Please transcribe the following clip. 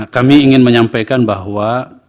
kami ingin menyampaikan bahwa